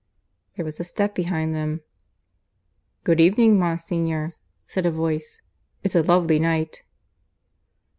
There was a step behind them. "Good evening, Monsignor," said a voice. "It's a lovely night."